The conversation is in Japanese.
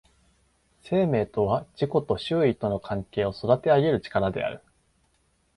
生命とは自己の周囲との関係を育てあげる力である。